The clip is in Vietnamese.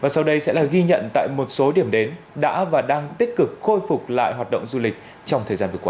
sau đây sẽ là ghi nhận tại một số điểm đến đã và đang tích cực khôi phục lại hoạt động du lịch trong thời gian vừa qua